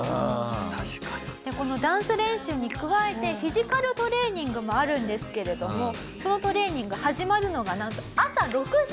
このダンス練習に加えてフィジカルトレーニングもあるんですけれどもそのトレーニング始まるのがなんと朝６時。